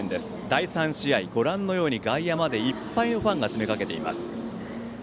第３試合、ご覧のように外野までいっぱいのファンが詰め掛けています。